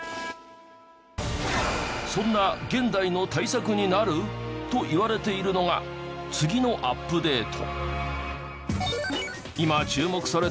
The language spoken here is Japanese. そんな現代の対策になるといわれているのが次のアップデート。